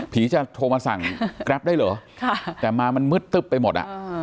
ผีจะโทรมาสั่งกรับได้เหรอแต่มามันมึดตึบไปหมด